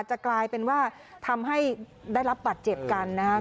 จะกลายเป็นว่าทำให้ได้รับบัตรเจ็บกันนะครับ